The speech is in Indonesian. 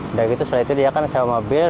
udah gitu setelah itu dia kan sama mobil